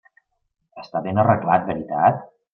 Està ben arreglat, veritat?